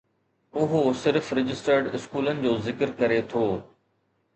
اهو صرف رجسٽرڊ اسڪولن جو ذڪر ڪري ٿو.